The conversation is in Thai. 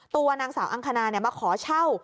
ตัวนางสาวอังคณามาขอเช่า